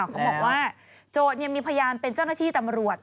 เขาบอกว่าโจทย์มีพยานเป็นเจ้าหน้าที่ตำรวจ